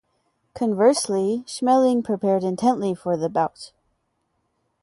Conversely, Schmeling prepared intently for the bout.